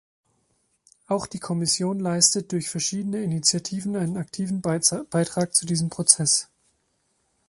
Auch die Kommission leistet durch verschiedene Initiativen einen aktiven Beitrag zu diesem Prozess.